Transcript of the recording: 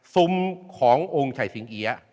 ซุมขององค์ชัยสิงเอี๊ยะ